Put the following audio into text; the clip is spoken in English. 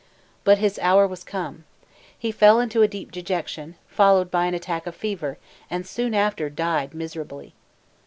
But his hour was come. He fell into deep dejection, followed by an attack of fever, and soon after died miserably.